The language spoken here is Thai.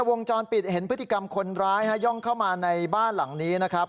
วงจรปิดเห็นพฤติกรรมคนร้ายย่องเข้ามาในบ้านหลังนี้นะครับ